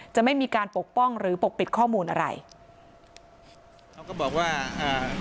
จะไม่มีการปกป้องหรือปกปิดข้อมูลอะไรเขาก็บอกว่าอ่า